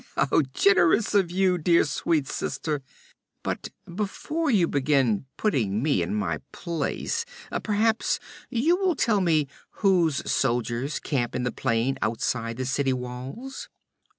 'How generous of you, dear, sweet sister! But before you begin putting me in my place perhaps you will tell me whose soldiers camp in the plain outside the city walls?'